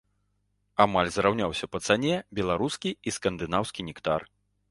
Амаль зраўняўся па цане беларускі і скандынаўскі нектар.